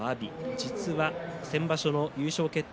実は先場所の優勝決定